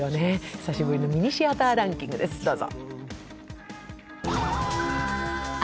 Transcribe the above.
久しぶりのミニシアターランキングです、どうぞ。